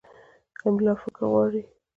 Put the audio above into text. املا فکر غواړي.